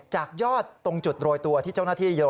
จากยอดตรงจุดโรยตัวที่เจ้าหน้าที่เยอะ